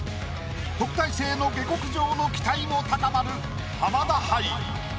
特待生の下克上の期待も高まる浜田杯。